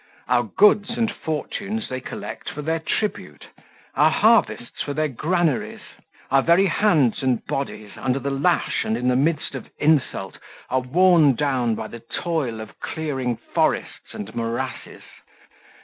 Our goods and fortunes they collect for their tribute, our harvests for their granaries. Our very hands and bodies, under the lash and in the midst of insult, are worn down by the toil of clearing forests and morasses.